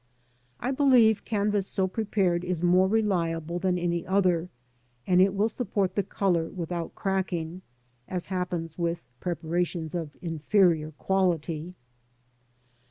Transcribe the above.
I believe canvas so prepared is more reliable than any other, and it will support the colour without cracking, as happens with preparations of inferior quality.